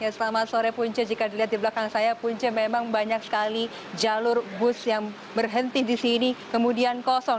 selamat sore punca jika dilihat di belakang saya punca memang banyak sekali jalur bus yang berhenti di sini kemudian kosong